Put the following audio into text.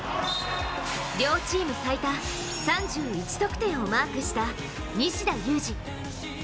両チーム最多３１得点をマークした西田有志。